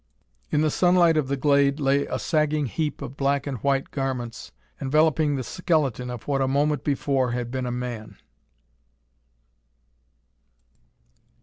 In the sunlight of the glade lay a sagging heap of black and white garments enveloping the skeleton of what a moment before had been a man!